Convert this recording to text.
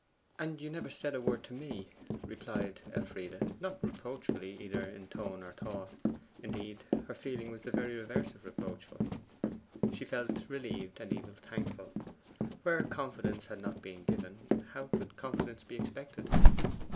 'And you never said a word to me,' replied Elfride, not reproachfully either in tone or thought. Indeed, her feeling was the very reverse of reproachful. She felt relieved and even thankful. Where confidence had not been given, how could confidence be expected?